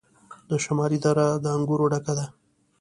د شمالی دره د انګورو ډکه ده.